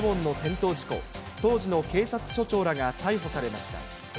当時の警察署長らが逮捕されました。